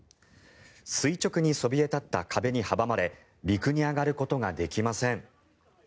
垂直にそびえ立った壁に阻まれ陸に上がることができません。